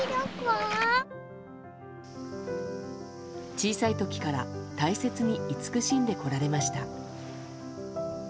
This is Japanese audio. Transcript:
小さい時から大切に慈しんでこられました。